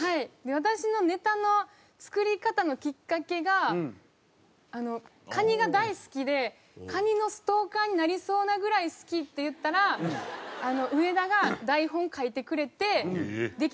私のネタの作り方のきっかけがカニが大好きでカニのストーカーになりそうなぐらい好きって言ったら植田が台本書いてくれてできたネタなんで。